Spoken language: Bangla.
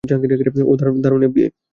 ওহ, দারুণ, এফবিআই।